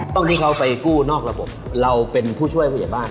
ที่เขาไปกู้นอกระบบเราเป็นผู้ช่วยผู้ใหญ่บ้าน